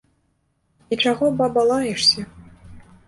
І чаго, баба, лаешся?